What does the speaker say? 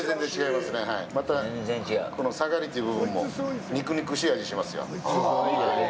また、このサガリという部分も肉々しい味がしますよ。